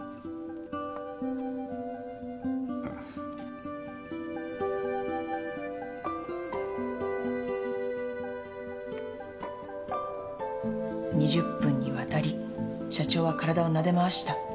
ああ２０分に渡り社長は体をなで回した。